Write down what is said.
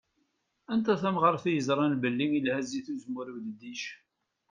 Anta tamɣaṛt i yeẓṛan belli ilha zzit uzemmur i udeddic.